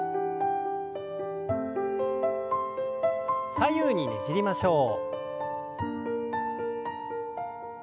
左右にねじりましょう。